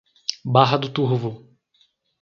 Barra do Turvo